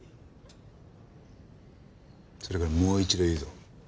それからもう一度言うぞ。